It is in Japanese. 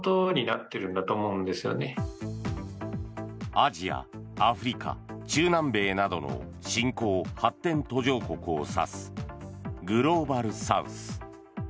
アジア、アフリカ中南米などの新興・発展途上国を指すグローバルサウス。